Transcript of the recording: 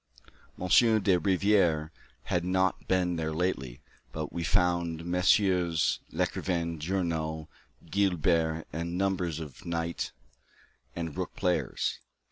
M. de Rivière had not been there lately, but we found Messrs. Lecrivain, Journoud, Guibert, and numbers of knight and rook players.